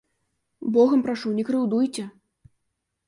Богам прашу, не крыўдуйце.